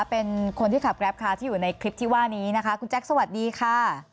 เป็นคนที่ขับแรปค่ะที่อยู่ในคลิปที่ว่านี้นะคะคุณแจ๊คสวัสดีค่ะ